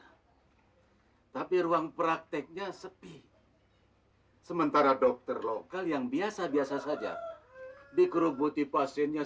hai tapi ruang prakteknya sepi sementara dokter lokal yang biasa biasa saja dikeruguti pasiennya